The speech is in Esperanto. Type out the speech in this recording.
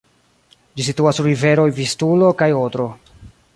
Ĝi situas sur riveroj Vistulo kaj Odro.